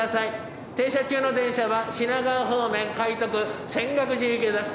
停車中の電車は品川方面・快特泉岳寺行きです。